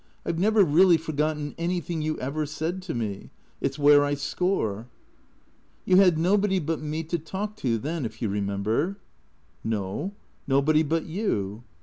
I 've never really forgotten anything you ever said to me. It 's where I score." " You had nobody but me to talk to then, if you remember." " No. Nobody but you."